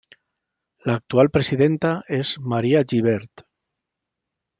La actual presidenta es María Gibert.